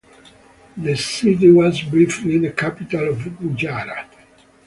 The city was briefly the capital of Gujarat.